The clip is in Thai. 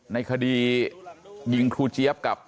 ในคดียิงครูเจี๊ยบกับ